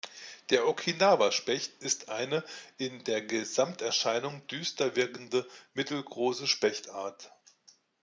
Der Okinawa-Specht ist eine in der Gesamterscheinung düster wirkende, mittelgroße Spechtart.